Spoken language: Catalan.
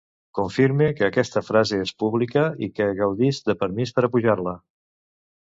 Confirme que aquesta frase és pública i que gaudisc de permís per a pujar-la